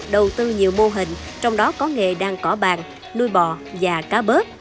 đầu tư nhiều mô hình trong đó có nghề đang cỏ bàn nuôi bò và cá bớt